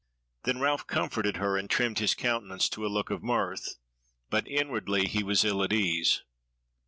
Then Ralph comforted her and trimmed his countenance to a look of mirth, but inwardly he was ill at ease.